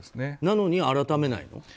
なのに、改めないの？